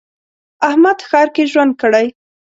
احمد ښار کې ژوند کړی.